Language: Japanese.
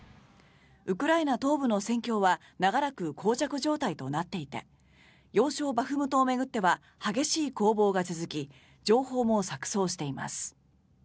ウクライナ東部の戦況は長らく、こう着状態となっていて要衝バフムトを巡っては激しい攻防が続き情報も錯そうしています。